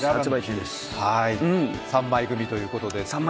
３枚組ということで。